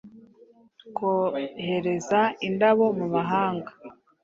kohereza indabo mu mahanga.’’